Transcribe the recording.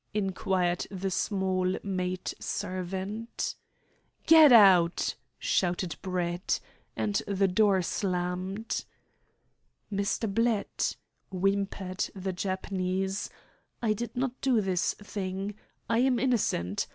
inquired the small maid servant. "Get out!" shouted Brett; and the door slammed. "Mr. Blett," whimpered the Japanese, "I did not do this thing. I am innocent.